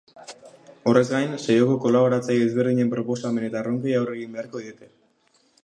Horrez gain, saioko kolaboratzaile ezberdinen proposamen eta erronkei aurre egin beharko diete.